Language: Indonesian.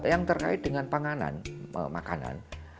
yang terkait dengan makanan